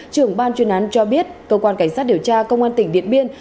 trưởng ban chuyên án cho biết cơ quan cảnh sát điều tra công an tỉnh điện biên